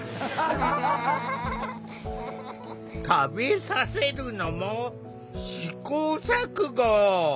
食べさせるのも試行錯誤。